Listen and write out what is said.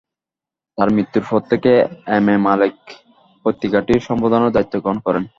তাঁর মৃত্যুর পর থেকে এম এ মালেক পত্রিকাটির সম্পাদনার দায়িত্ব গ্রহণ করেন।